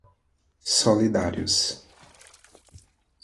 solidários